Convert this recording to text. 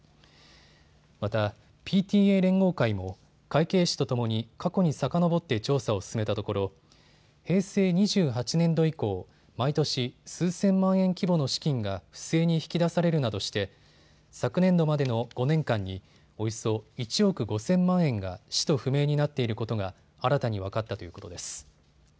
また、ＰＴＡ連合会も会計士とともに過去にさかのぼって調査を進めたところ平成２８年度以降、毎年、数千万円規模の資金が不正に引き出されるなどして昨年度までの５年間におよそ１億５０００万円が使途不明になっていることが新たに分かったということです。